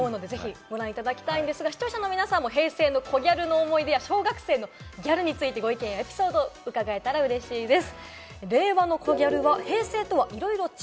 ぜひご覧いただきたいんですが、視聴者の皆さんも平成のコギャルの思い出や小学生のギャルについて、ご意見やエピソードを伺えたらうれしいです。